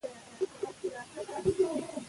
چي فرمايل ئې: فتنې پر زړونو باندي داسي راوړاندي كېږي